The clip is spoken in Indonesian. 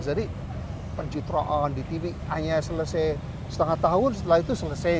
jadi pencitraan di tv hanya selesai setengah tahun setelah itu selesai